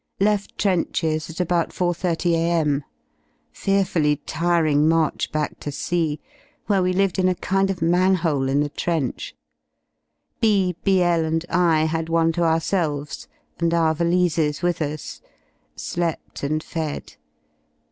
Left trenches at about 4.30 a.m. Fearfully tiring march back to C , where we lived in a kind of manhole in the 70 trench. B , Bl , and I had one to ourselves, and our ^ valises with us. Slept and fed.